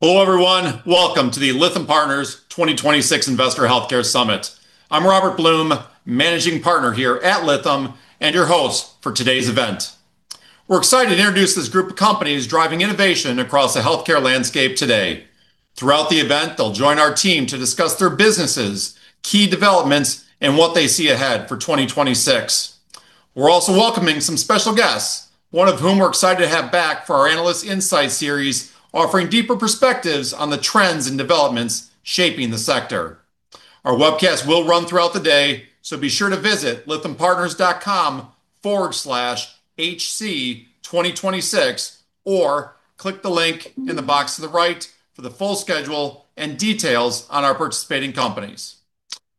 Hello, everyone. Welcome to the Lytham Partners 2026 Investor Healthcare Summit. I'm Robert Blum, Managing Partner here at Lytham and your host for today's event. We're excited to introduce this group of companies driving innovation across the healthcare landscape today. Throughout the event, they'll join our team to discuss their businesses, key developments, and what they see ahead for 2026. We're also welcoming some special guests, one of whom we're excited to have back for our Analyst Insights series, offering deeper perspectives on the trends and developments shaping the sector. Our webcast will run throughout the day, so be sure to visit lythampartners.com/HC2026 or click the link in the box to the right for the full schedule and details on our participating companies.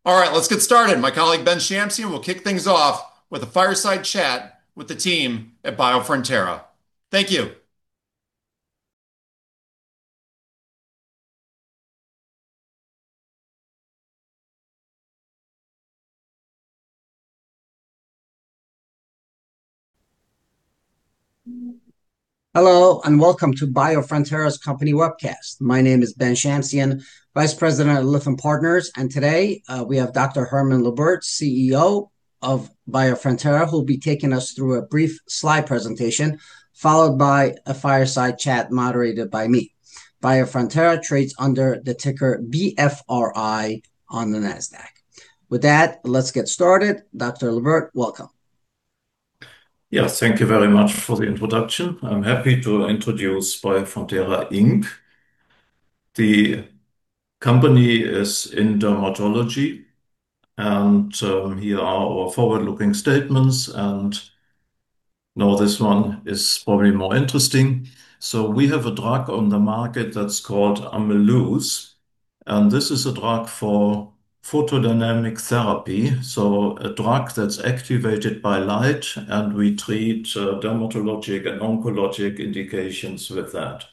All right, let's get started. My colleague, Ben Shamsian, will kick things off with a fireside chat with the team at Biofrontera. Thank you. Hello and welcome to Biofrontera's company webcast. My name is Ben Shamsian, Vice President at Lytham Partners, and today we have Dr. Hermann Lübbert, CEO of Biofrontera, who will be taking us through a brief slide presentation followed by a fireside chat moderated by me. Biofrontera trades under the ticker BFRI on the NASDAQ. With that, let's get started. Dr. Lübbert, welcome. Yes, thank you very much for the introduction. I'm happy to introduce Biofrontera Inc. The company is in dermatology, and here are our forward-looking statements. And now this one is probably more interesting. So we have a drug on the market that's called Ameluz. And this is a drug for photodynamic therapy, so a drug that's activated by light, and we treat dermatologic and oncologic indications with that.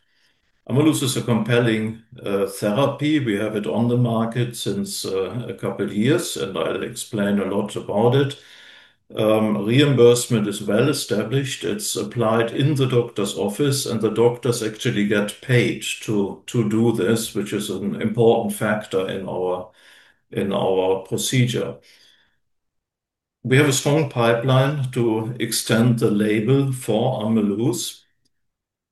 Ameluz is a compelling therapy. We have it on the market since a couple of years, and I'll explain a lot about it. Reimbursement is well established. It's applied in the doctor's office, and the doctors actually get paid to do this, which is an important factor in our procedure. We have a strong pipeline to extend the label for Ameluz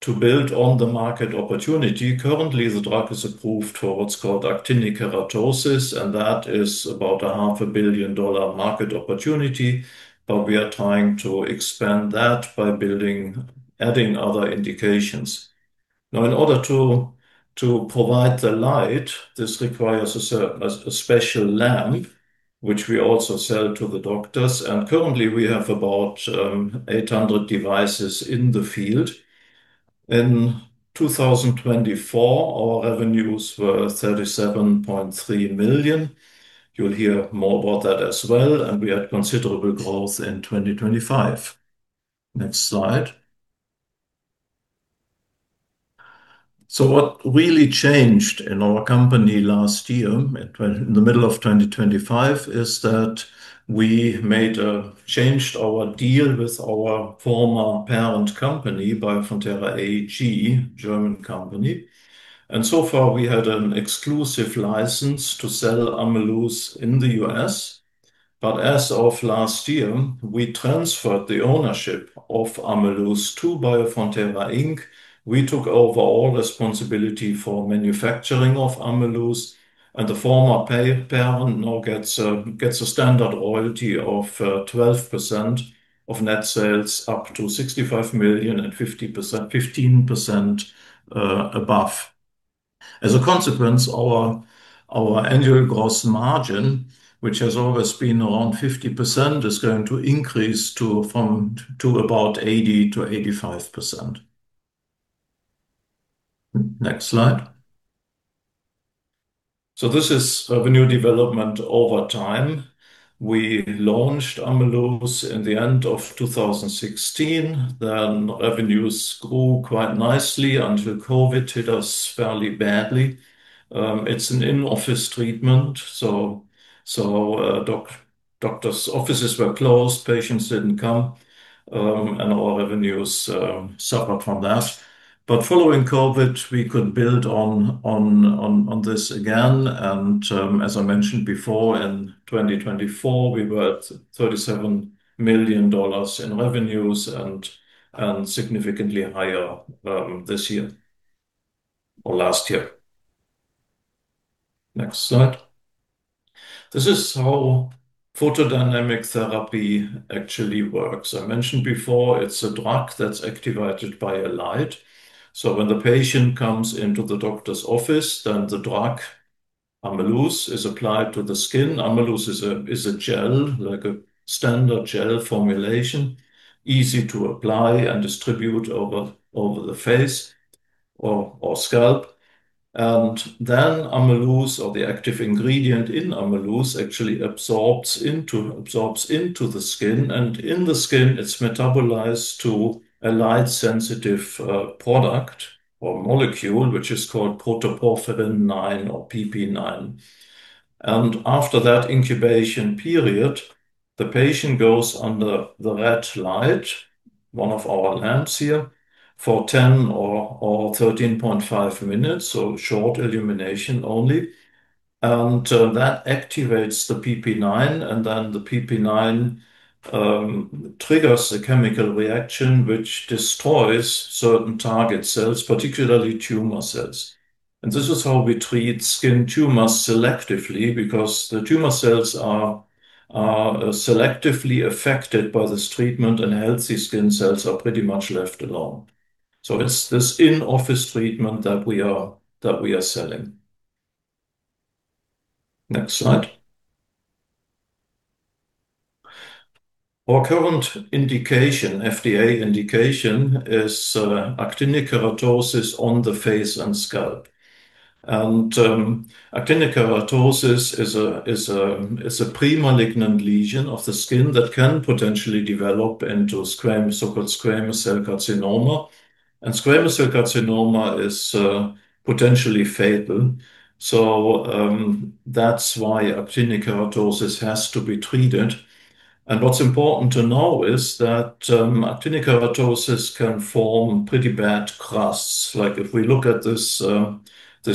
to build on the market opportunity. Currently, the drug is approved for what's called actinic keratosis, and that is about a $500 million market opportunity. But we are trying to expand that by adding other indications. Now, in order to provide the light, this requires a special lamp, which we also sell to the doctors. And currently, we have about 800 devices in the field. In 2024, our revenues were $37.3 million. You'll hear more about that as well. And we had considerable growth in 2025. Next slide. So what really changed in our company last year in the middle of 2025 is that we changed our deal with our former parent company, Biofrontera AG, German company. And so far, we had an exclusive license to sell Ameluz in the U.S. But as of last year, we transferred the ownership of Ameluz to Biofrontera Inc. We took over all responsibility for manufacturing of Ameluz, and the former parent now gets a standard royalty of 12% of net sales up to $65 million and 15% above. As a consequence, our annual gross margin, which has always been around 50%, is going to increase from about 80%-85%. Next slide. So this is a revenue development over time. We launched Ameluz in the end of 2016. Then revenues grew quite nicely until COVID hit us fairly badly. It's an in-office treatment. So doctors' offices were closed, patients didn't come, and our revenues suffered from that. But following COVID, we could build on this again. And as I mentioned before, in 2024, we were at $37 million in revenues and significantly higher this year or last year. Next slide. This is how photodynamic therapy actually works. I mentioned before, it's a drug that's activated by a light. When the patient comes into the doctor's office, then the drug, Ameluz, is applied to the skin. Ameluz is a gel, like a standard gel formulation, easy to apply and distribute over the face or scalp. Then Ameluz, or the active ingredient in Ameluz, actually absorbs into the skin. In the skin, it's metabolized to a light-sensitive product or molecule, which is called protoporphyrin IX or PpIX. After that incubation period, the patient goes under the red light, one of our lamps here, for 10 or 13.5 minutes, so short illumination only. That activates the PpIX, and then the PpIX triggers a chemical reaction, which destroys certain target cells, particularly tumor cells. This is how we treat skin tumors selectively because the tumor cells are selectively affected by this treatment, and healthy skin cells are pretty much left alone. It's this in-office treatment that we are selling. Next slide. Our current indication, FDA indication, is actinic keratosis on the face and scalp. Actinic keratosis is a premalignant lesion of the skin that can potentially develop into so-called squamous cell carcinoma. Squamous cell carcinoma is potentially fatal. That's why actinic keratosis has to be treated. What's important to know is that actinic keratosis can form pretty bad crusts. Like if we look at this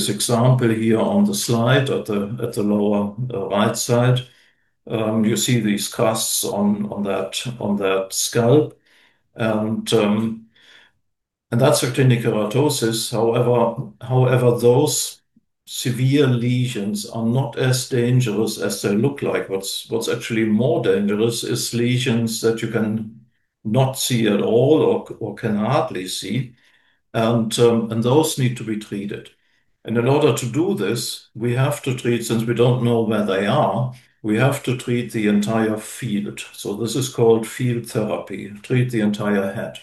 example here on the slide at the lower right side, you see these crusts on that scalp. That's actinic keratosis. However, those severe lesions are not as dangerous as they look like. What's actually more dangerous is lesions that you can not see at all or can hardly see. Those need to be treated. In order to do this, we have to treat, since we don't know where they are, we have to treat the entire field. This is called field therapy, treat the entire head.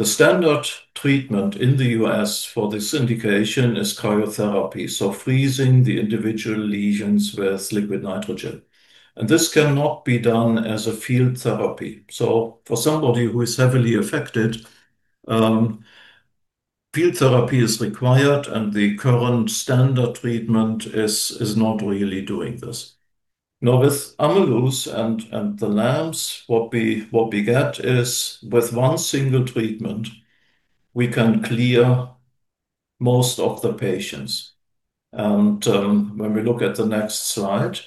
The standard treatment in the U.S. for this indication is cryotherapy, so freezing the individual lesions with liquid nitrogen. This cannot be done as a field therapy. For somebody who is heavily affected, field therapy is required, and the current standard treatment is not really doing this. Now, with Ameluz and the lamps, what we get is with one single treatment, we can clear most of the patients. When we look at the next slide,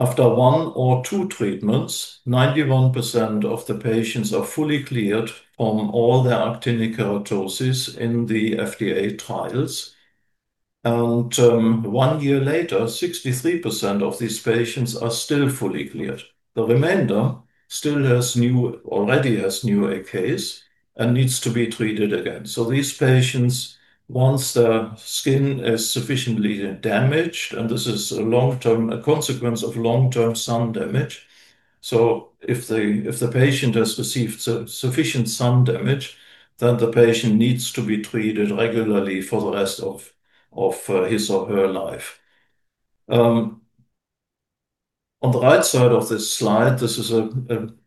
after one or two treatments, 91% of the patients are fully cleared from all their actinic keratosis in the FDA trials. One year later, 63% of these patients are still fully cleared. The remainder still already has new AKs and needs to be treated again. So these patients, once their skin is sufficiently damaged, and this is a consequence of long-term sun damage. So if the patient has received sufficient sun damage, then the patient needs to be treated regularly for the rest of his or her life. On the right side of this slide, this is a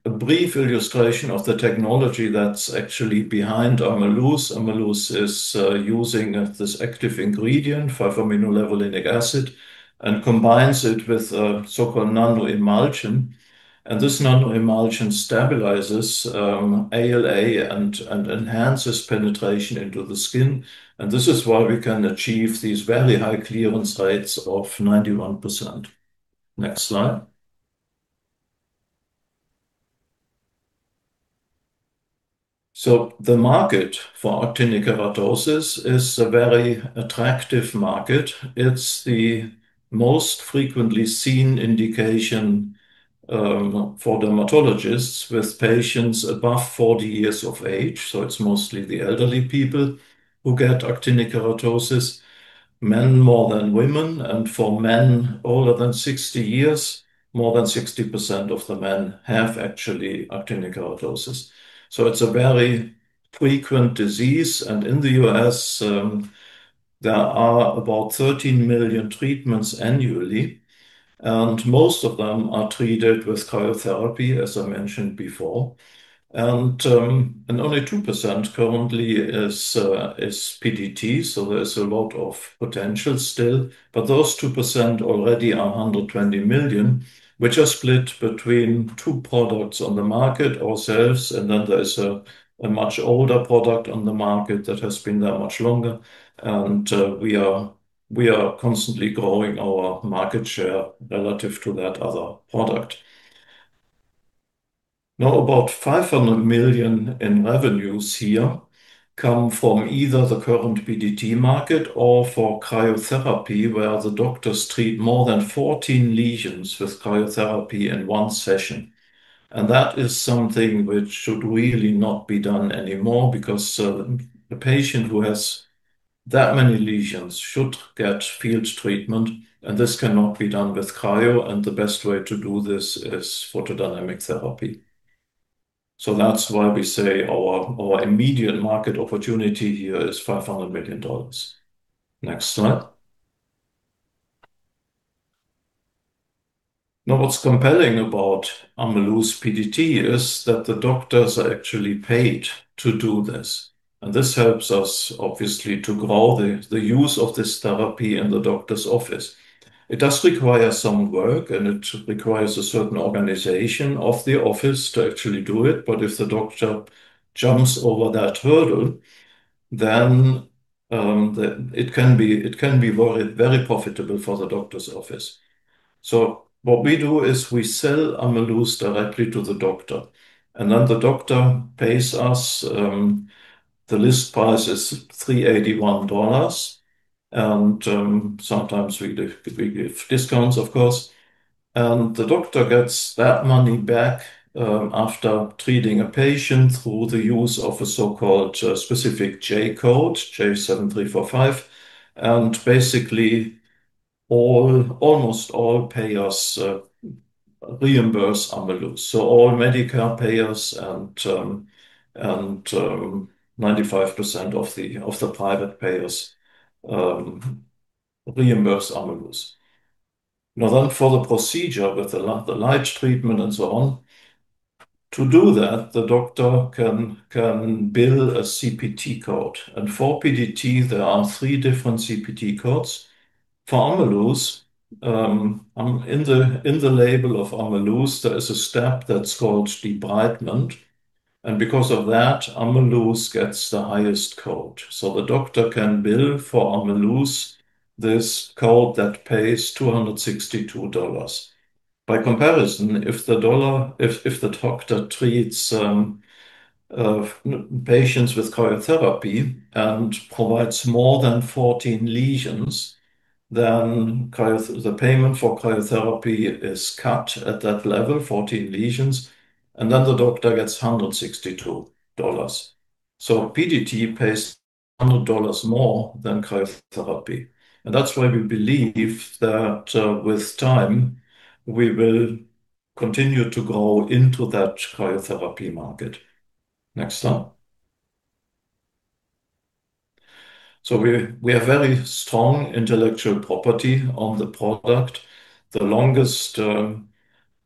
brief illustration of the technology that's actually behind Ameluz. Ameluz is using this active ingredient, 5-aminolevulinic acid, and combines it with a so-called nanoemulsion. And this nanoemulsion stabilizes ALA and enhances penetration into the skin. And this is why we can achieve these very high clearance rates of 91%. Next slide. So the market for actinic keratosis is a very attractive market. It's the most frequently seen indication for dermatologists with patients above 40 years of age. It's mostly the elderly people who get actinic keratosis, men more than women. For men older than 60 years, more than 60% of the men have actually actinic keratosis. It's a very frequent disease. In the U.S., there are about 13 million treatments annually. Most of them are treated with cryotherapy, as I mentioned before. Only 2% currently is PDT. There's a lot of potential still. But those 2% already are $120 million, which are split between two products on the market, ourselves. Then there is a much older product on the market that has been there much longer. We are constantly growing our market share relative to that other product. Now, about $500 million in revenues here come from either the current PDT market or for cryotherapy, where the doctors treat more than 14 lesions with cryotherapy in one session. That is something which should really not be done anymore because a patient who has that many lesions should get field treatment. This cannot be done with cryo. The best way to do this is photodynamic therapy. That's why we say our immediate market opportunity here is $500 million. Next slide. Now, what's compelling about Ameluz PDT is that the doctors are actually paid to do this. This helps us, obviously, to grow the use of this therapy in the doctor's office. It does require some work, and it requires a certain organization of the office to actually do it. If the doctor jumps over that hurdle, then it can be very profitable for the doctor's office. What we do is we sell Ameluz directly to the doctor. Then the doctor pays us. The list price is $381. Sometimes we give discounts, of course. The doctor gets that money back after treating a patient through the use of a so-called specific J code, J7345. Basically, almost all payers reimburse Ameluz. All Medicare payers and 95% of the private payers reimburse Ameluz. Now, for the procedure with the light treatment and so on, to do that, the doctor can bill a CPT code. For PDT, there are three different CPT codes. For Ameluz, in the label of Ameluz, there is a step that's called debridement. Because of that, Ameluz gets the highest code. The doctor can bill for Ameluz this code that pays $262. By comparison, if the doctor treats patients with cryotherapy and provides more than 14 lesions, then the payment for cryotherapy is cut at that level, 14 lesions. The doctor gets $162. PDT pays $100 more than cryotherapy. And that's why we believe that with time, we will continue to grow into that cryotherapy market. Next slide. We have very strong intellectual property on the product. The longest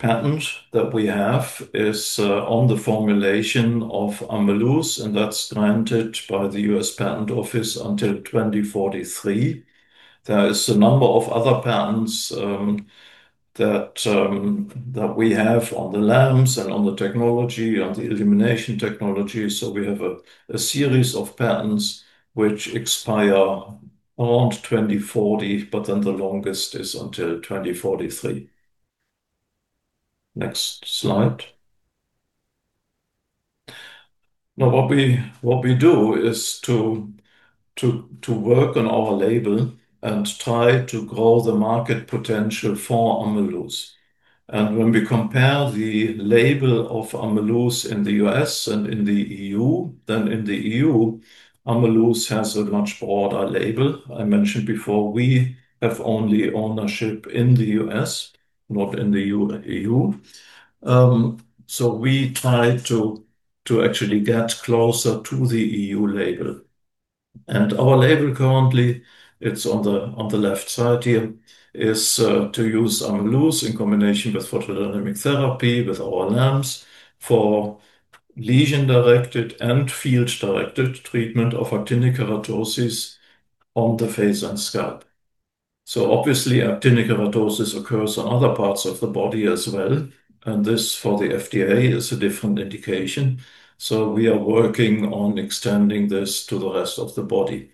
patent that we have is on the formulation of Ameluz. And that's granted by the U.S. Patent Office until 2043. There is a number of other patents that we have on the lamps and on the technology, on the illumination technology. So we have a series of patents which expire around 2040, but then the longest is until 2043. Next slide. Now, what we do is to work on our label and try to grow the market potential for Ameluz. And when we compare the label of Ameluz in the U.S. and in the EU, then in the EU, Ameluz has a much broader label. I mentioned before, we have only ownership in the U.S., not in the E.U., so we try to actually get closer to the E.U. label. And our label currently, it's on the left side here, is to use Ameluz in combination with photodynamic therapy with our lamps for lesion-directed and field-directed treatment of actinic keratosis on the face and scalp, so obviously, actinic keratosis occurs on other parts of the body as well, and this for the FDA is a different indication, so we are working on extending this to the rest of the body.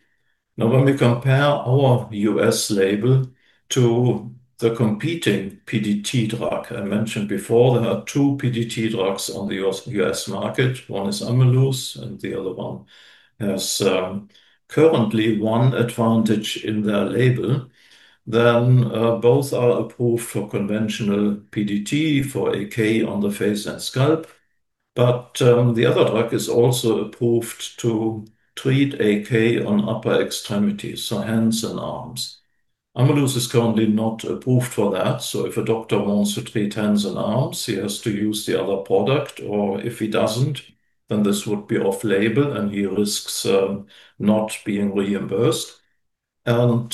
Now, when we compare our U.S. label to the competing PDT drug I mentioned before, there are two PDT drugs on the U.S. market. One is Ameluz, and the other one has currently one advantage in their label, then both are approved for conventional PDT for AK on the face and scalp. But the other drug is also approved to treat AK on upper extremities, so hands and arms. Ameluz is currently not approved for that. So if a doctor wants to treat hands and arms, he has to use the other product. Or if he doesn't, then this would be off-label, and he risks not being reimbursed. And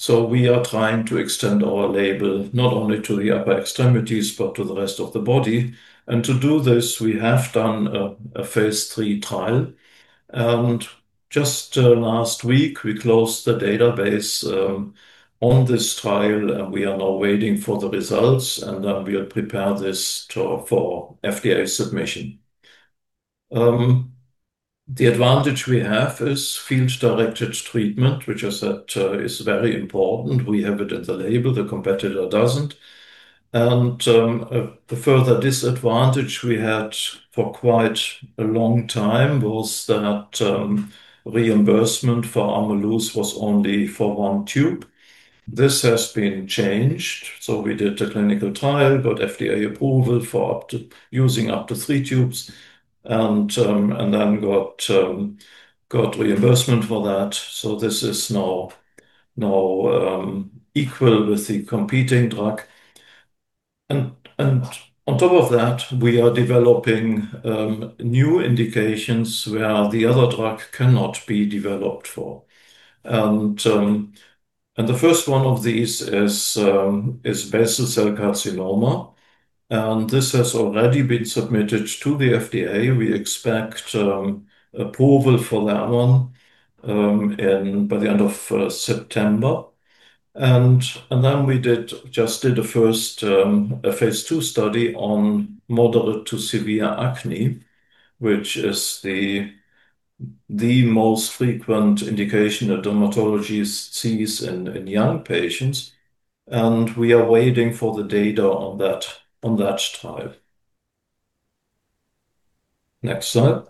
so we are trying to extend our label not only to the upper extremities, but to the rest of the body. And to do this, we have done a phase three trial. And just last week, we closed the database on this trial. And we are now waiting for the results. And we'll prepare this for FDA submission. The advantage we have is field-directed treatment, which I said is very important. We have it in the label. The competitor doesn't. The further disadvantage we had for quite a long time was that reimbursement for Ameluz was only for one tube. This has been changed. We did a clinical trial, got FDA approval for using up to three tubes, and then got reimbursement for that. This is now equal with the competing drug. On top of that, we are developing new indications where the other drug cannot be developed for. The first one of these is basal cell carcinoma. This has already been submitted to the FDA. We expect approval for that one by the end of September. Then we just did a phase 2 study on moderate to severe acne, which is the most frequent indication that dermatologists see in young patients. We are waiting for the data on that trial. Next slide.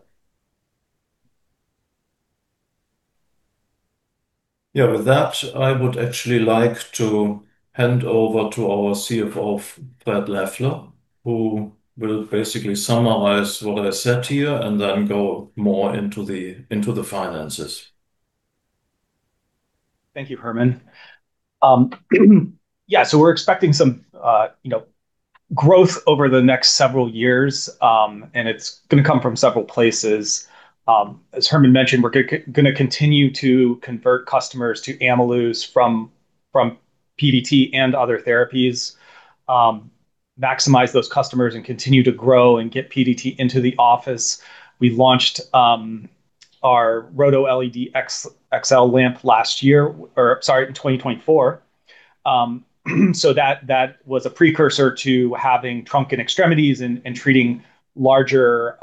Yeah, with that, I would actually like to hand over to our CFO, Fred Leffler, who will basically summarize what I said here and then go more into the finances. Thank you, Hermann. Yeah, so we're expecting some growth over the next several years, and it's going to come from several places. As Hermann mentioned, we're going to continue to convert customers to Ameluz from PDT and other therapies, maximize those customers, and continue to grow and get PDT into the office. We launched our RhodoLED XL lamp last year, or sorry, in 2024. So that was a precursor to having trunk and extremities and treating larger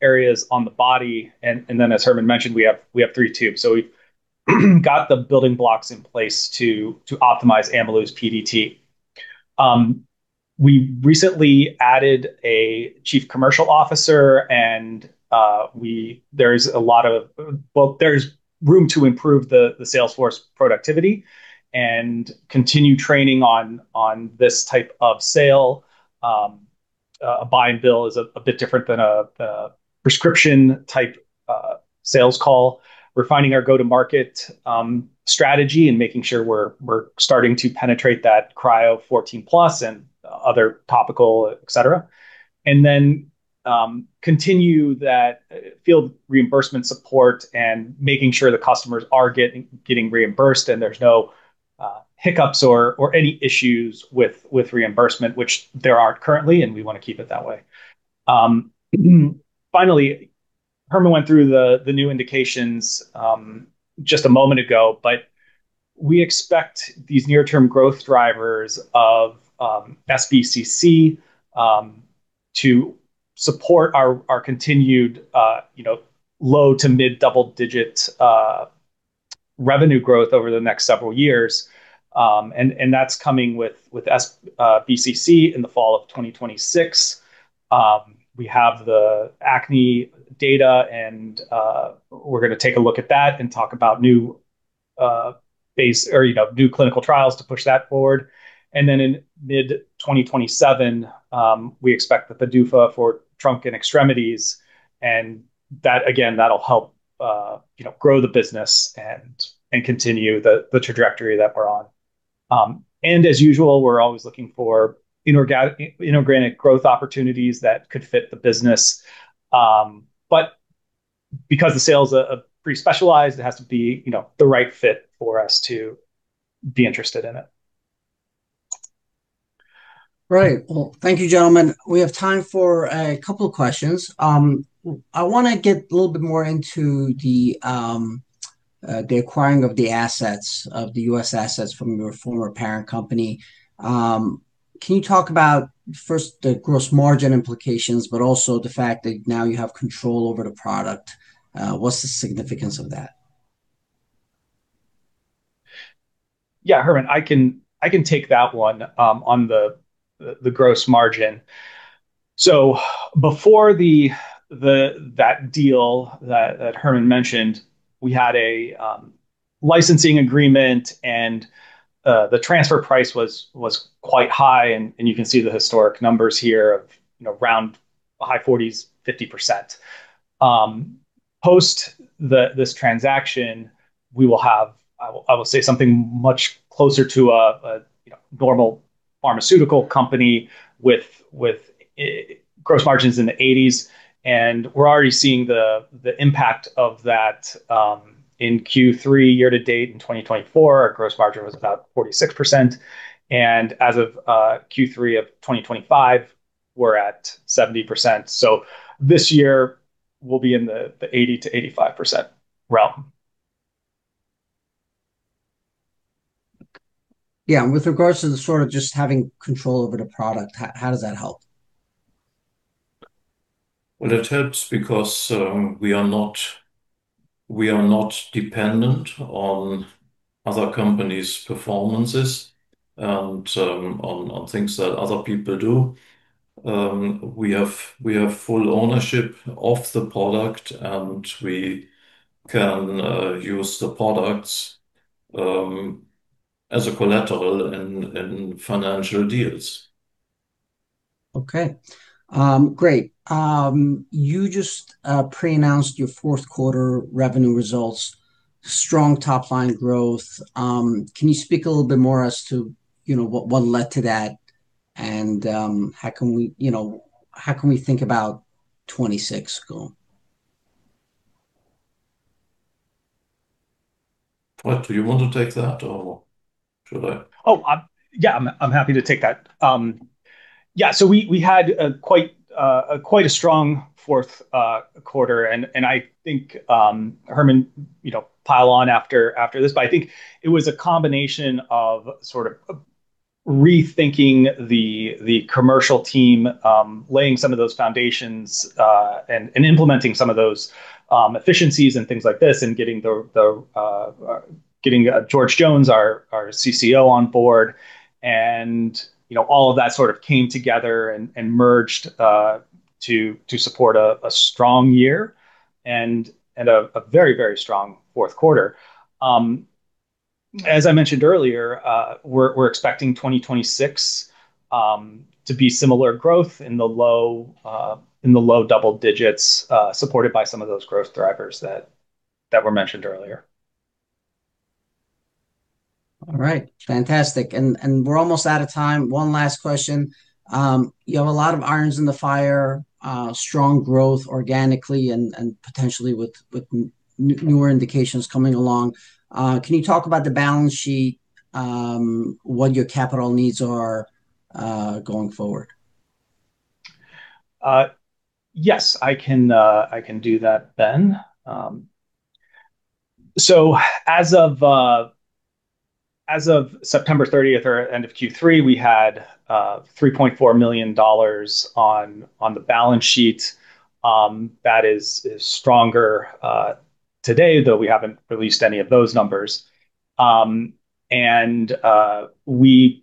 areas on the body, and then, as Hermann mentioned, we have three tubes. So we've got the building blocks in place to optimize Ameluz PDT. We recently added a chief commercial officer. There's a lot of, well, there's room to improve the sales force productivity and continue training on this type of sale. A buy-and-bill is a bit different than a prescription-type sales call. We're refining our go-to-market strategy and making sure we're starting to penetrate that cryo for AK plus and other topicals, etc., and then continue that field reimbursement support and making sure the customers are getting reimbursed and there's no hiccups or any issues with reimbursement, which there aren't currently, and we want to keep it that way. Finally, Hermann went through the new indications just a moment ago, but we expect these near-term growth drivers of sBCC to support our continued low- to mid-double-digit revenue growth over the next several years. That's coming with sBCC in the fall of 2026. We have the acne data, and we're going to take a look at that and talk about new clinical trials to push that forward, and then in mid-2027, we expect the PDUFA for trunk and extremities, and that, again, that'll help grow the business and continue the trajectory that we're on, and as usual, we're always looking for inorganic growth opportunities that could fit the business, but because the sales are pretty specialized, it has to be the right fit for us to be interested in it. Right, well, thank you, gentlemen. We have time for a couple of questions. I want to get a little bit more into the acquiring of the U.S. assets from your former parent company. Can you talk about, first, the gross margin implications, but also the fact that now you have control over the product? What's the significance of that? Yeah, Hermann, I can take that one on the gross margin. So before that deal that Hermann mentioned, we had a licensing agreement, and the transfer price was quite high. And you can see the historic numbers here of around high 40s, 50%. Post this transaction, we will have, I will say, something much closer to a normal pharmaceutical company with gross margins in the 80s. And we're already seeing the impact of that in Q3 year to date in 2024. Our gross margin was about 46%. And as of Q3 of 2025, we're at 70%. So this year, we'll be in the 80%-85% realm. Yeah. And with regards to the sort of just having control over the product, how does that help? Well, it helps because we are not dependent on other companies' performances and on things that other people do. We have full ownership of the product, and we can use the products as a collateral in financial deals. Okay. Great. You just pre-announced your fourth quarter revenue results, strong top-line growth. Can you speak a little bit more as to what led to that and how can we think about 2026 going? What? Do you want to take that, or should I? Oh, yeah, I'm happy to take that. Yeah. So we had quite a strong fourth quarter. And I think Hermann, pile on after this. But I think it was a combination of sort of rethinking the commercial team, laying some of those foundations and implementing some of those efficiencies and things like this and getting George Jones, our CCO, on board. And all of that sort of came together and merged to support a strong year and a very, very strong fourth quarter. As I mentioned earlier, we're expecting 2026 to be similar growth in the low double digits supported by some of those growth drivers that were mentioned earlier. All right. Fantastic. And we're almost out of time. One last question. You have a lot of irons in the fire, strong growth organically and potentially with newer indications coming along. Can you talk about the balance sheet, what your capital needs are going forward? Yes, I can do that, Ben. So as of September 30th or end of Q3, we had $3.4 million on the balance sheet. That is stronger today, though we haven't released any of those numbers. And we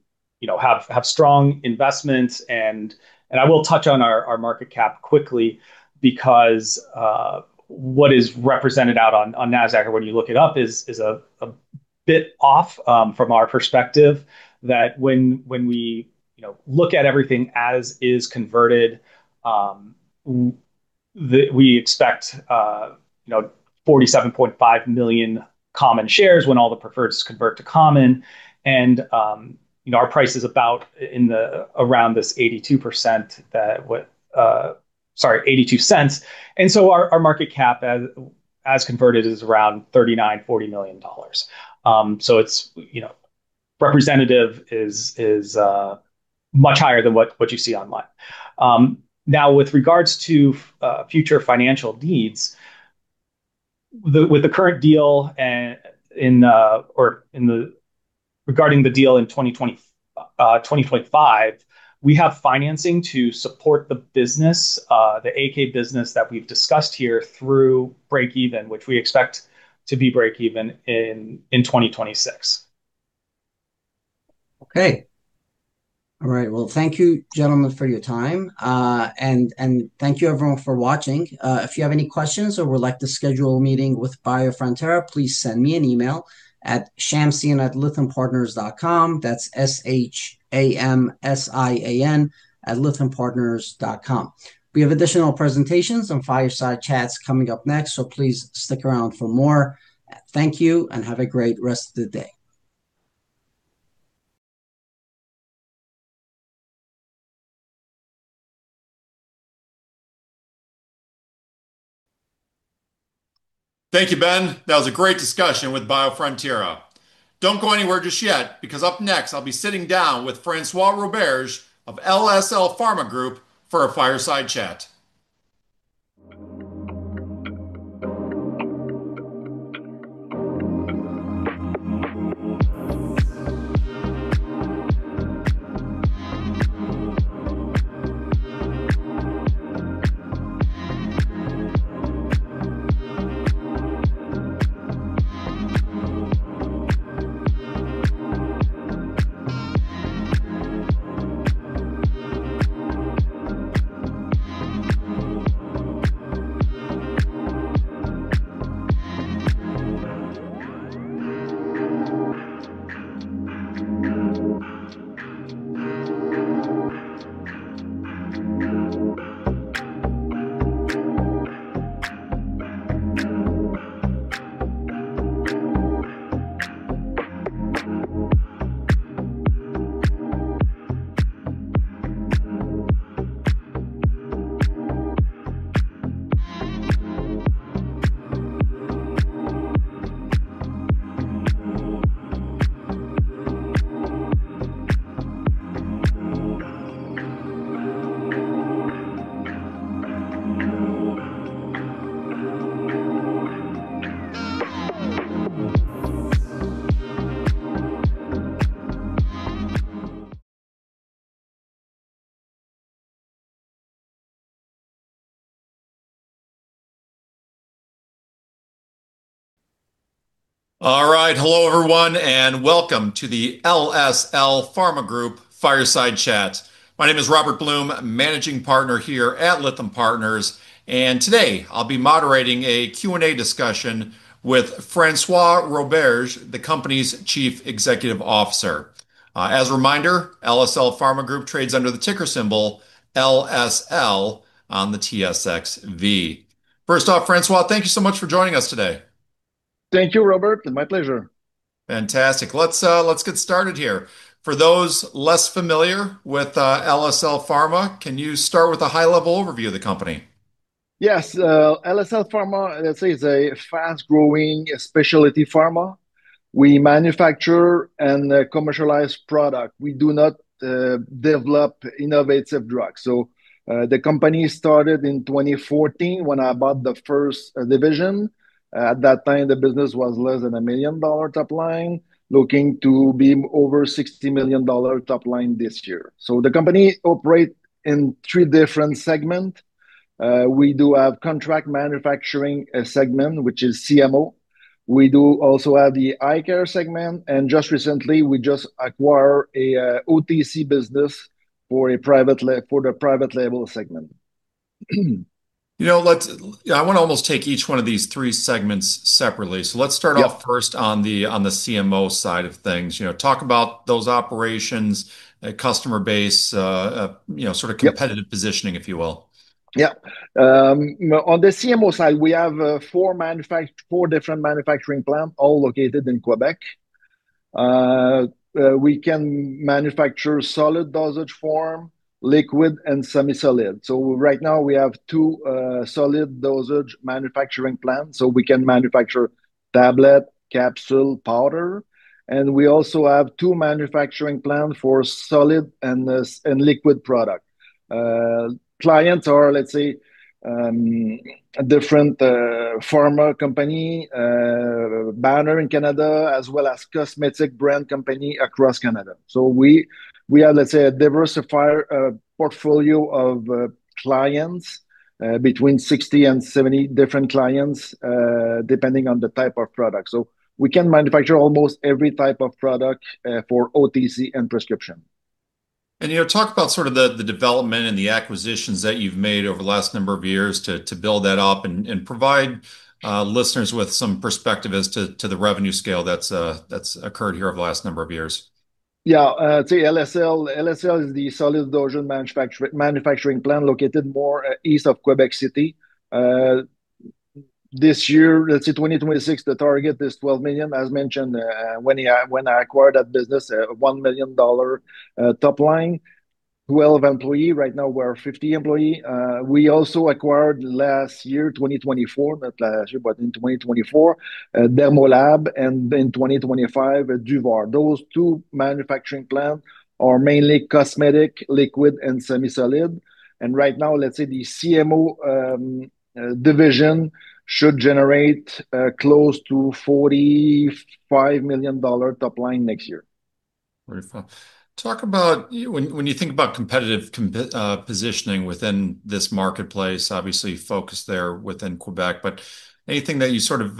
have strong investments. I will touch on our market cap quickly because what is represented out on NASDAQ or when you look it up is a bit off from our perspective that when we look at everything as is converted, we expect 47.5 million common shares when all the preferreds convert to common. Our price is about around this 82%, sorry, $0.82. And so our market cap as converted is around $39-$40 million. So its representative is much higher than what you see online. Now, with regards to future financial needs, with the current deal or regarding the deal in 2025, we have financing to support the business, the AK business that we've discussed here through breakeven, which we expect to be breakeven in 2026. Okay. All right. Well, thank you, gentlemen, for your time. And thank you, everyone, for watching. If you have any questions or would like to schedule a meeting with Biofrontera, please send me an email at shamsian@lythampartners.com. That's S-H-A-M-S-I-A-N at lythampartners.com. We have additional presentations and fireside chats coming up next, so please stick around for more. Thank you and have a great rest of the day. Thank you, Ben. That was a great discussion with Biofrontera. Don't go anywhere just yet because up next, I'll be sitting down with François Roberge of LSL Pharma Group for a fireside chat. All right. Hello, everyone, and welcome to the LSL Pharma Group fireside chat. My name is Robert Blum, managing partner here at Lytham Partners. And today, I'll be moderating a Q&A discussion with François Roberge, the company's chief executive officer. As a reminder, LSL Pharma Group trades under the ticker symbol LSL on the TSXV. First off, François, thank you so much for joining us today. Thank you, Robert. It's my pleasure. Fantastic. Let's get started here. For those less familiar with LSL Pharma, can you start with a high-level overview of the company? Yes. LSL Pharma, let's say, is a fast-growing specialty pharma. We manufacture and commercialize products. We do not develop innovative drugs. So the company started in 2014 when I bought the first division. At that time, the business was less than $1 million top line, looking to be over $60 million top line this year. So the company operates in three different segments. We do have contract manufacturing segment, which is CMO. We do also have the eye care segment. And just recently, we just acquired an OTC business for the private label segment. I want to almost take each one of these three segments separately. So let's start off first on the CMO side of things. Talk about those operations, customer base, sort of competitive positioning, if you will. Yeah. On the CMO side, we have four different manufacturing plants, all located in Quebec. We can manufacture solid dosage form, liquid, and semi-solid. So right now, we have two solid dosage manufacturing plants. So we can manufacture tablet, capsule, powder. And we also have two manufacturing plants for solid and liquid products. Clients are, let's say, a different pharma company, Banner in Canada, as well as cosmetic brand company across Canada. So we have, let's say, a diversified portfolio of clients, between 60 and 70 different clients, depending on the type of product. So we can manufacture almost every type of product for OTC and prescription. Talk about sort of the development and the acquisitions that you've made over the last number of years to build that up and provide listeners with some perspective as to the revenue scale that's occurred here over the last number of years. Yeah. LSL is the solid dosage manufacturing plant located more east of Quebec City. This year, let's say 2026, the target is 12 million. As mentioned, when I acquired that business, 1 million dollar top line, 12 employees. Right now, we are 50 employees. We also acquired last year, 2024, not last year, but in 2024, Laboratoire Demo, and in 2025, Duvar. Those two manufacturing plants are mainly cosmetic, liquid, and semi-solid. And right now, let's say the CMO division should generate close to 45 million dollar top line next year. Wonderful. Talk about when you think about competitive positioning within this marketplace, obviously focused there within Quebec, but anything that you sort of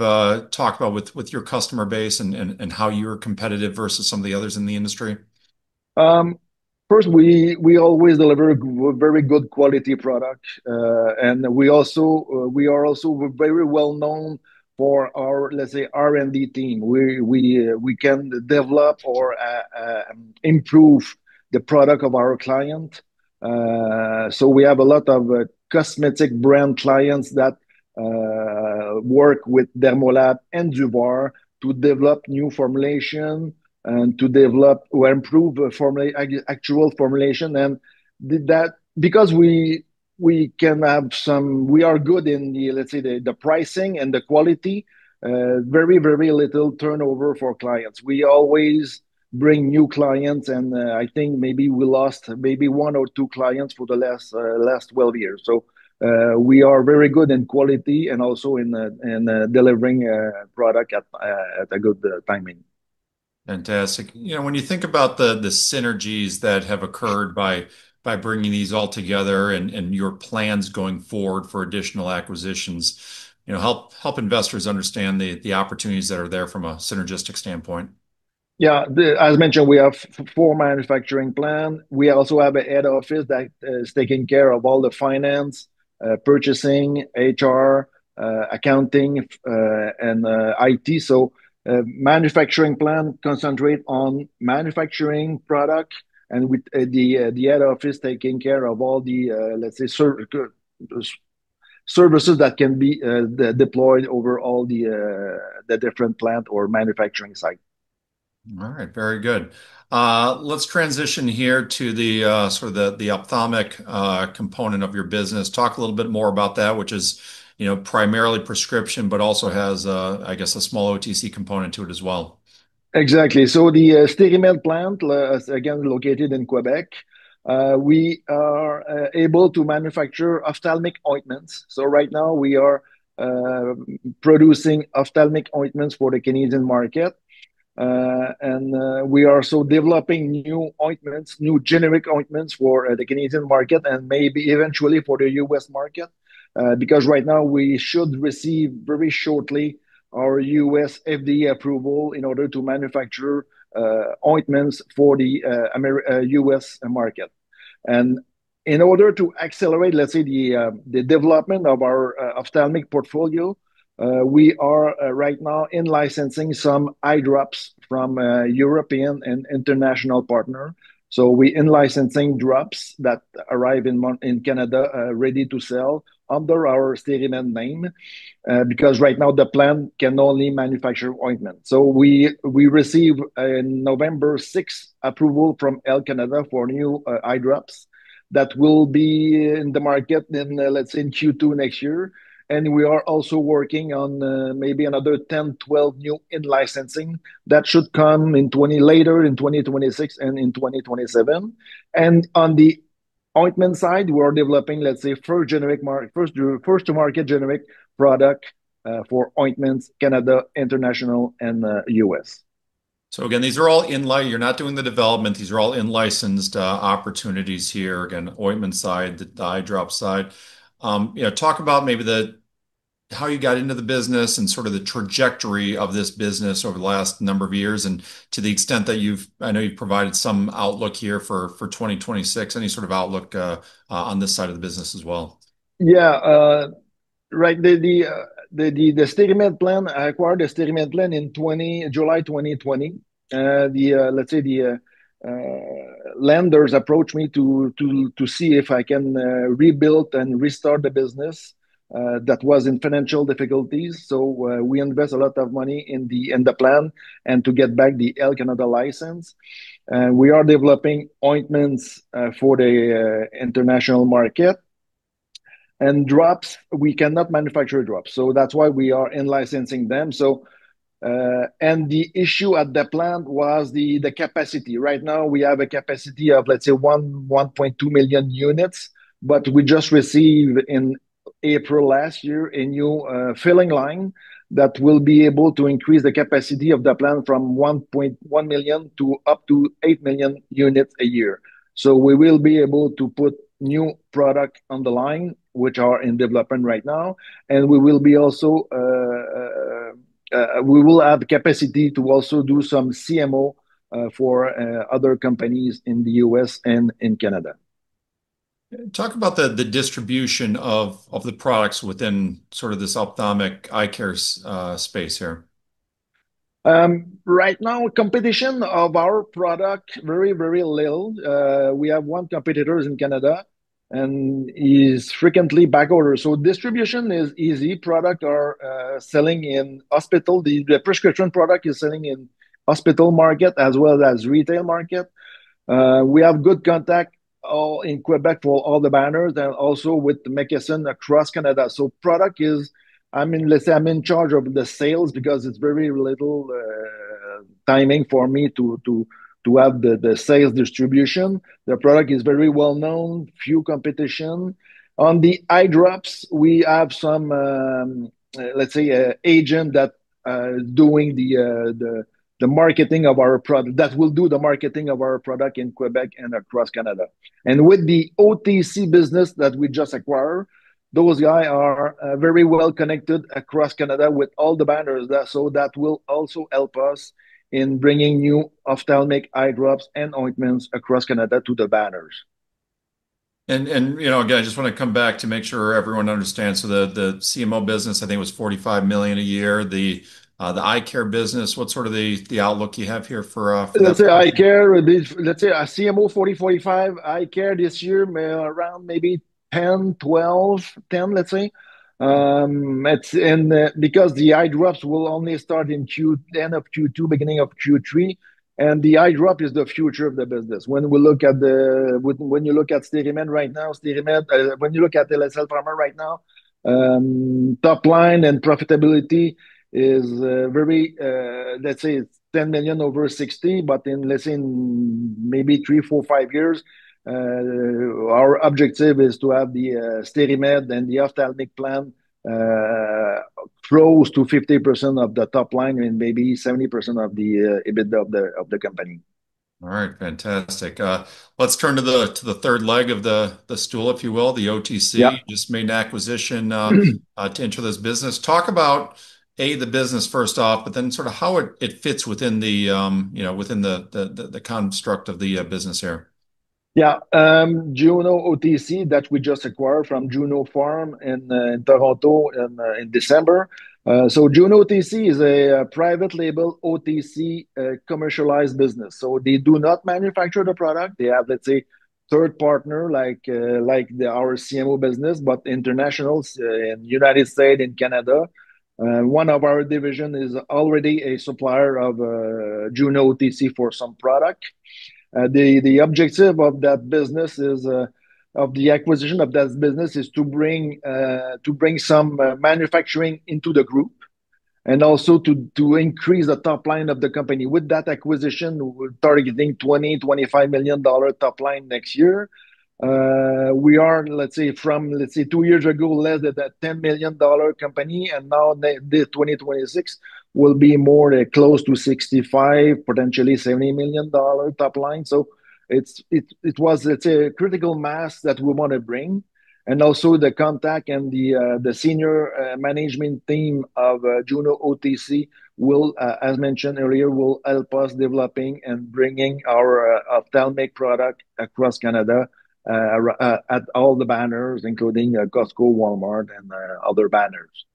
talk about with your customer base and how you're competitive versus some of the others in the industry? First, we always deliver very good quality products. And we are also very well-known for our, let's say, R&D team. We can develop or improve the product of our client. So we have a lot of cosmetic brand clients that work with Demo Lab and Duvar to develop new formulations and to develop or improve actual formulations. And because we can have some we are good in the, let's say, the pricing and the quality, very, very little turnover for clients. We always bring new clients, and I think maybe we lost maybe one or two clients for the last 12 years. So we are very good in quality and also in delivering product at a good timing. Fantastic. When you think about the synergies that have occurred by bringing these all together and your plans going forward for additional acquisitions, help investors understand the opportunities that are there from a synergistic standpoint. Yeah. As mentioned, we have four manufacturing plants. We also have a head office that is taking care of all the finance, purchasing, HR, accounting, and IT. So manufacturing plant concentrates on manufacturing products, and the head office is taking care of all the, let's say, services that can be deployed over all the different plants or manufacturing sites. All right. Very good. Let's transition here to sort of the ophthalmic component of your business. Talk a little bit more about that, which is primarily prescription, but also has, I guess, a small OTC component to it as well. Exactly. So the Sterimed plant, again, located in Quebec, we are able to manufacture ophthalmic ointments. So right now, we are producing ophthalmic ointments for the Canadian market. And we are also developing new ointments, new generic ointments for the Canadian market and maybe eventually for the U.S. market because right now, we should receive very shortly our U.S. FDA approval in order to manufacture ointments for the U.S. market. And in order to accelerate, let's say, the development of our ophthalmic portfolio, we are right now in licensing some eye drops from European and international partners. So we are in licensing drops that arrive in Canada ready to sell under our Sterimed name because right now, the plant can only manufacture ointments. So we received on November 6th approval from Health Canada for new eye drops that will be in the market in, let's say, Q2 next year. And we are also working on maybe another 10, 12 new in-licensing that should come later in 2026 and in 2027. And on the ointment side, we're developing, let's say, first-to-market generic product for ointments, Canada, international, and U.S. So again, these are all in-line. You're not doing the development. These are all in-licensed opportunities here, again, ointment side, the eye drop side. Talk about maybe how you got into the business and sort of the trajectory of this business over the last number of years and to the extent that you've, I know you've provided some outlook here for 2026. Any sort of outlook on this side of the business as well? Yeah. Right. The Steri-Med plant I acquired, the Steri-Med plant in July 2020. Let's say the lenders approached me to see if I can rebuild and restart the business that was in financial difficulties. We invest a lot of money in the plant and to get back the Health Canada license. We are developing ointments for the international market. And drops, we cannot manufacture drops. So that's why we are in-licensing them. And the issue at the plant was the capacity. Right now, we have a capacity of, let's say, 1.2 million units, but we just received in April last year a new filling line that will be able to increase the capacity of the plant from 1.1 million to up to 8 million units a year. So we will be able to put new products on the line, which are in development right now. And we will also have the capacity to also do some CMO for other companies in the U.S. and in Canada. Talk about the distribution of the products within sort of this ophthalmic eye care space here. Right now, competition of our product, very, very little. We have one competitor in Canada, and he's frequently back ordered. So distribution is easy. Products are selling in hospital. The prescription product is selling in hospital market as well as retail market. We have good contact in Quebec for all the banners and also with the McKesson across Canada. So product is I mean, let's say I'm in charge of the sales because it's very little timing for me to have the sales distribution. The product is very well-known, few competition. On the eye drops, we have some, let's say, agent that is doing the marketing of our product that will do the marketing of our product in Quebec and across Canada. With the OTC business that we just acquired, those guys are very well connected across Canada with all the banners. That will also help us in bringing new ophthalmic eye drops and ointments across Canada to the banners. Again, I just want to come back to make sure everyone understands. The CMO business, I think it was 45 million a year. The eye care business, what's sort of the outlook you have here for? Let's say eye care, let's say a CMO 40-45 [million], eye care this year, around maybe 10, 12, 10, let's say. Because the eye drops will only start at the end of Q2, beginning of Q3. The eye drop is the future of the business. When you look at Steri-Med right now, when you look at LSL Pharma right now, top line and profitability is very, let's say, 10 million over 60. But in, let's say, maybe three, four, five years, our objective is to have the Steri-Med and the ophthalmic plant close to 50% of the top line and maybe 70% of the EBITDA of the company. All right. Fantastic. Let's turn to the third leg of the stool, if you will, the OTC, just main acquisition to enter this business. Talk about, A, the business first off, but then sort of how it fits within the construct of the business here. Yeah. Juno OTC that we just acquired from Juno Pharmaceuticals in Toronto in December. So Juno OTC is a private label OTC commercialized business. So they do not manufacture the product. They have, let's say, third partner like our CMO business, but international in the United States and Canada. One of our divisions is already a supplier of Juno OTC for some product. The objective of the acquisition of that business is to bring some manufacturing into the group and also to increase the top line of the company. With that acquisition, we're targeting 20-25 million dollar top line next year. We are, let's say, from, let's say, two years ago, less than that 10 million dollar company, and now, 2026, we'll be more close to 65 million, potentially 70 million dollar top line. So it was, let's say, a critical mass that we want to bring. And also the contact and the senior management team of Juno OTC, as mentioned earlier, will help us developing and bringing our ophthalmic product across Canada at all the banners, including Costco, Walmart, and other banners.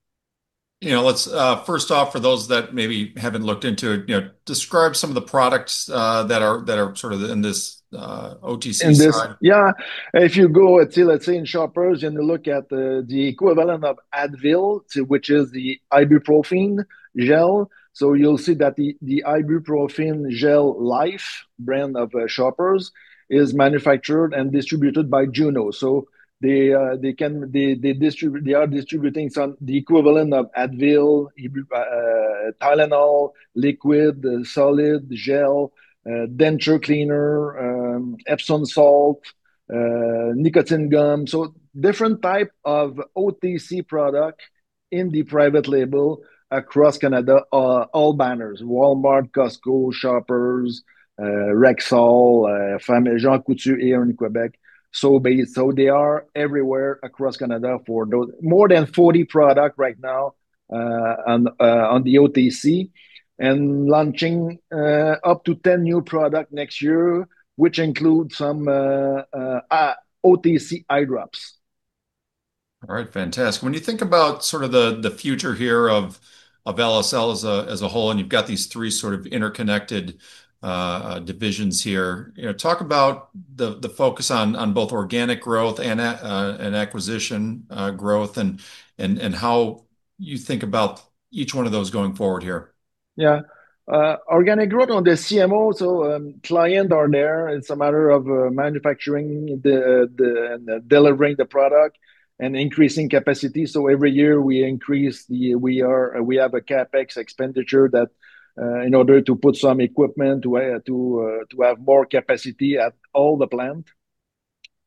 Let's first off, for those that maybe haven't looked into it, describe some of the products that are sort of in this OTC side. Yeah. If you go at, let's say, in Shoppers and look at the equivalent of Advil, which is the ibuprofen gel. So you'll see that the ibuprofen gel Life Brand of Shoppers is manufactured and distributed by Juno. So they are distributing the equivalent of Advil, Tylenol, liquid, solid, gel, denture cleaner, Epsom salt, nicotine gum. So different types of OTC products in the private label across Canada, all banners: Walmart, Costco, Shoppers, Rexall, Jean Coutu in Quebec. So they are everywhere across Canada for more than 40 products right now on the OTC and launching up to 10 new products next year, which include some OTC eye drops. All right. Fantastic. When you think about sort of the future here of LSL as a whole, and you've got these three sort of interconnected divisions here, talk about the focus on both organic growth and acquisition growth and how you think about each one of those going forward here. Yeah. Organic growth on the CMO. So clients are there. It is a matter of manufacturing, delivering the product, and increasing capacity. So every year, we have a CapEx expenditure in order to put some equipment to have more capacity at all the plants.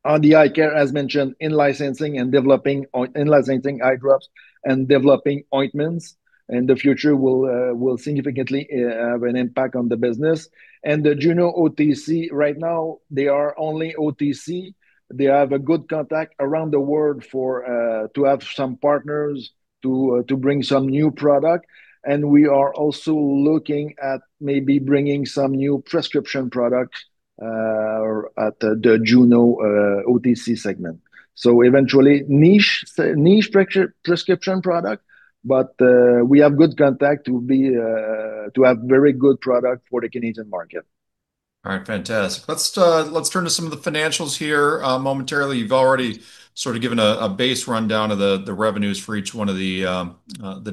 On the eye care, as mentioned, in-licensing and developing in-licensing eye drops and developing ointments in the future will significantly have an impact on the business. And the Juno OTC, right now, they are only OTC. They have a good contact around the world to have some partners to bring some new products. And we are also looking at maybe bringing some new prescription products at the Juno OTC segment. So eventually, niche prescription products, but we have good contact to have very good products for the Canadian market. All right. Fantastic. Let's turn to some of the financials here momentarily. You've already sort of given a base rundown of the revenues for each one of the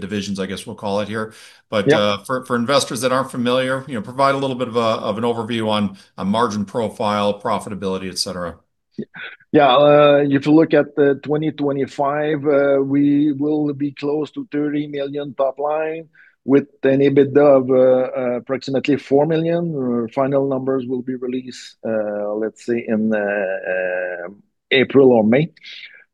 divisions, I guess we'll call it here. But for investors that aren't familiar, provide a little bit of an overview on margin profile, profitability, etc. Yeah. If you look at the 2025, we will be close to 30 million top line with an EBITDA of approximately 4 million. Final numbers will be released, let's say, in April or May.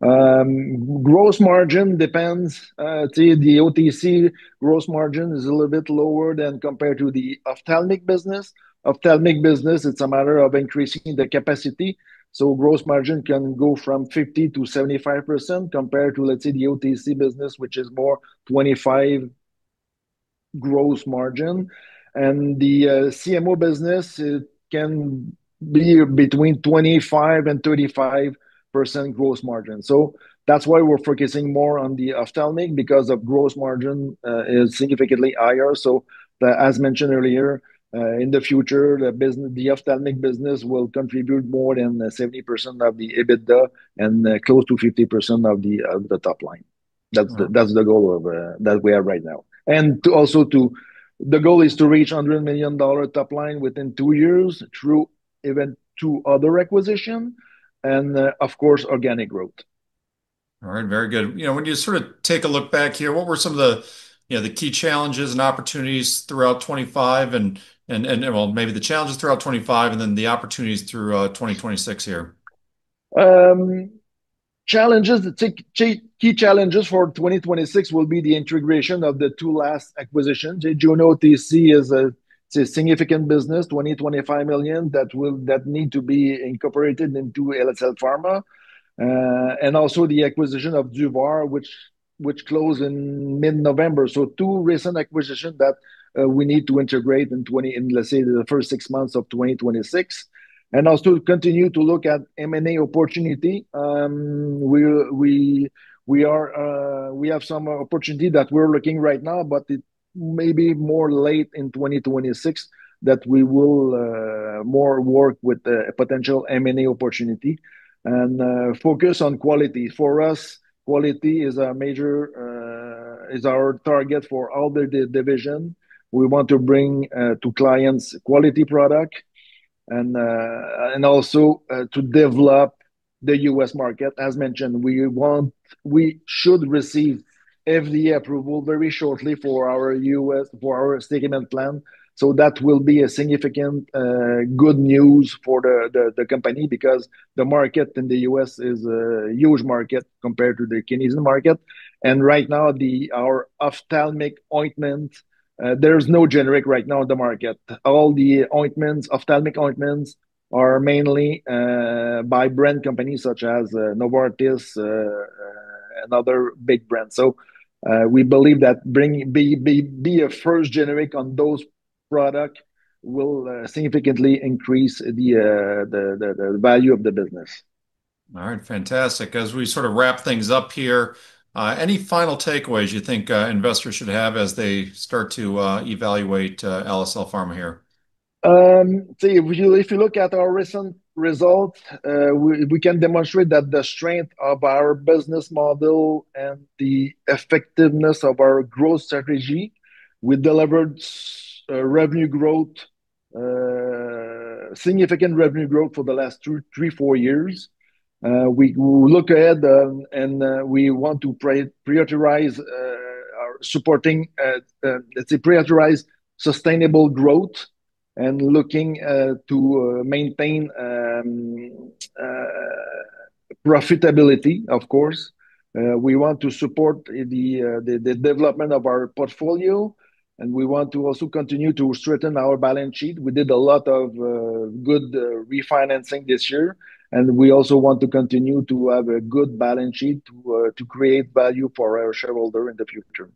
Gross margin depends. The OTC gross margin is a little bit lower than compared to the ophthalmic business. Ophthalmic business, it's a matter of increasing the capacity. So gross margin can go from 50%-75% compared to, let's say, the OTC business, which is more 25% gross margin. And the CMO business can be between 25%-35% gross margin. So that's why we're focusing more on the ophthalmic because the gross margin is significantly higher. So as mentioned earlier, in the future, the ophthalmic business will contribute more than 70% of the EBITDA and close to 50% of the top line. That's the goal that we have right now. And also the goal is to reach $100 million top line within two years through one or two other acquisitions and, of course, organic growth. All right. Very good. When you sort of take a look back here, what were some of the key challenges and opportunities throughout 2025 and, well, maybe the challenges throughout 2025 and then the opportunities through 2026 here? Key challenges for 2026 will be the integration of the two last acquisitions. Juno OTC is a significant business, 20-25 million that need to be incorporated into LSL Pharma. And also the acquisition of Duvar, which closed in mid-November. So two recent acquisitions that we need to integrate in, let's say, the first six months of 2026. And also continue to look at M&A opportunity. We have some opportunity that we're looking right now, but it may be more late in 2026 that we will more work with a potential M&A opportunity and focus on quality. For us, quality is our target for all the division. We want to bring to clients quality products and also to develop the U.S. market. As mentioned, we should receive FDA approval very shortly for our Steri-Med plant. So that will be a significant good news for the company because the market in the U.S. is a huge market compared to the Canadian market. And right now, our ophthalmic ointments, there's no generic right now in the market. All the ophthalmic ointments are mainly by brand companies such as Novartis and other big brands. So we believe that being a first generic on those products will significantly increase the value of the business. All right. Fantastic. As we sort of wrap things up here, any final takeaways you think investors should have as they start to evaluate LSL Pharma here? If you look at our recent results, we can demonstrate that the strength of our business model and the effectiveness of our growth strategy, we delivered significant revenue growth for the last three, four years. We look ahead and we want to prioritize supporting, let's say, prioritize sustainable growth and looking to maintain profitability, of course. We want to support the development of our portfolio, and we want to also continue to strengthen our balance sheet. We did a lot of good refinancing this year, and we also want to continue to have a good balance sheet to create value for our shareholder in the future.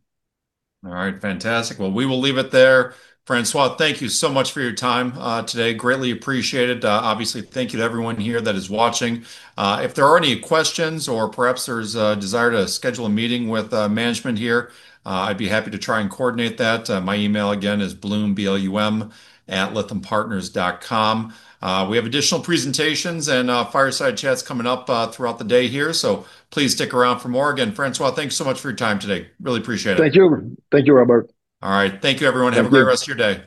All right. Fantastic. Well, we will leave it there. François, thank you so much for your time today. Greatly appreciated. Obviously, thank you to everyone here that is watching. If there are any questions or perhaps there's a desire to schedule a meeting with management here, I'd be happy to try and coordinate that. My email, again, is blum@lythampartners.com. We have additional presentations and fireside chats coming up throughout the day here. So please stick around for more. Again, François, thanks so much for your time today. Really appreciate it. Thank you. Thank you, Robert. All right. Thank you, everyone. Have a great rest of your day.